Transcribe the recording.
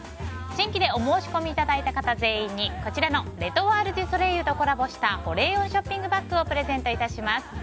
新規でお申し込みいただいた方全員に、こちらのレ・トワール・デュ・ソレイユとコラボした保冷温ショッピングバッグをプレゼント致します。